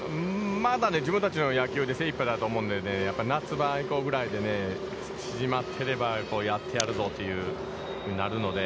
まだね、自分たちの野球で精いっぱいだと思うんでね、やっぱり夏場以降ぐらいで、縮まってればやってやるぞというふうになるので。